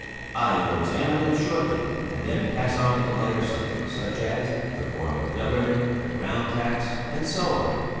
I will examine them shortly, and then pass on to lighter subjects such as the form of government, the ground tax, and so on."